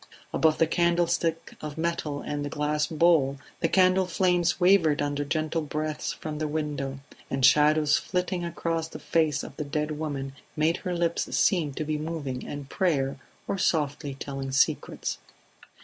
Above the candlestick of metal and the glass bowl the candle flames wavered under gentle breaths from the window, and shadows flitting across the face of the dead woman made her lips seem to be moving in prayer or softly telling secrets.